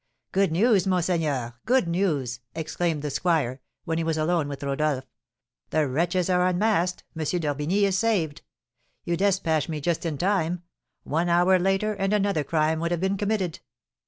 "Good news, monseigneur! Good news!" exclaimed the squire, when he was alone with Rodolph; "the wretches are unmasked, M. d'Orbigny is saved. You despatched me just in time; one hour later and another crime would have been committed."